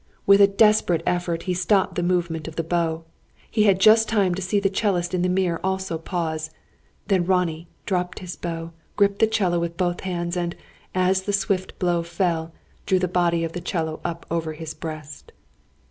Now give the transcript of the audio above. With a desperate effort he stopped the movement of the bow. He had just time to see the 'cellist in the mirror also pause. Then Ronnie dropped his bow, gripped the 'cello with both hands, and, as the swift blow fell, drew the body of the 'cello up over his breast.